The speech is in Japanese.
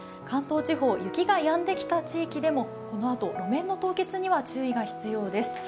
関東地方、雪がやんできた地域でもこのあと路面の凍結には注意が必要です。